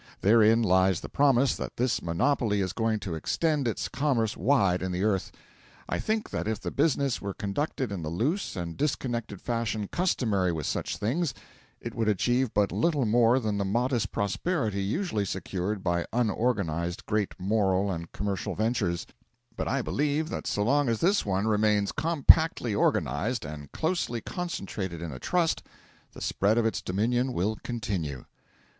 Therein lies the promise that this monopoly is going to extend its commerce wide in the earth. I think that if the business were conducted in the loose and disconnected fashion customary with such things, it would achieve but little more than the modest prosperity usually secured by unorganised great moral and commercial ventures; but I believe that so long as this one remains compactly organised and closely concentrated in a Trust, the spread of its dominion will continue.